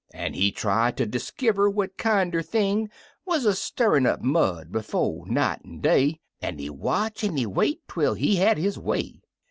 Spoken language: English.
An' he try ter diskiver what kinder thing Wuz a stirrin' up mud bofe night an' day — An' he watch an' he wait twel he had his way.